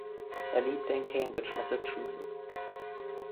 Er lebt in Cambridge, Massachusetts.